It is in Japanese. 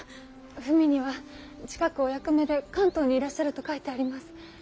文には近くお役目で関東にいらっしゃると書いてあります。